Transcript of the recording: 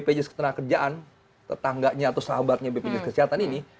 bpjs ketenagakerjaan tetangganya atau sahabatnya bpjs kesehatan ini